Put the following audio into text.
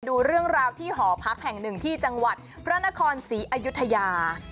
ดูเรื่องราวที่หอพักแห่งหนึ่งที่จังหวัดพระนครศรีอยุธยา